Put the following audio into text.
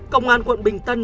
cộng an quận bình tân